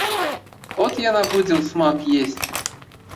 От яна будзе ўсмак есці!